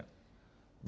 bahwa dulu ada orang